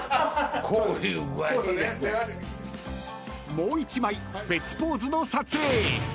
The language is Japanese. ［もう１枚別ポーズの撮影］